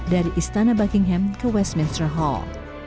dari istana buckingham ke westminster hall